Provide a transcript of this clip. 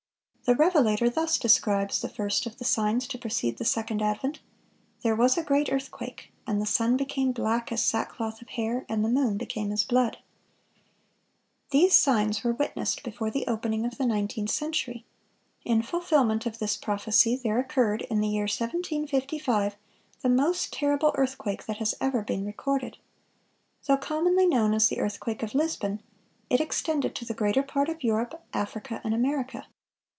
(478) The revelator thus describes the first of the signs to precede the second advent: "There was a great earthquake; and the sun became black as sackcloth of hair, and the moon became as blood."(479) These signs were witnessed before the opening of the nineteenth century. In fulfilment of this prophecy there occurred, in the year 1755, the most terrible earthquake that has ever been recorded. Though commonly known as the earthquake of Lisbon, it extended to the greater part of Europe, Africa, and America.